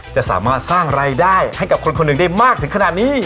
จะสามารถสร้างรายได้ให้กับคนคนหนึ่งได้มากถึงขนาดนี้